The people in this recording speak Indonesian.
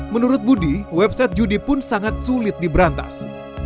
menurut budi website judi pun sangat sulit diberantas